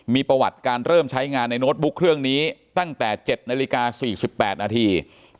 มีประวัติการเริ่มใช้งานในโน้ตบุ๊กเครื่องนี้ตั้งแต่๗นาฬิกา๔๘นาที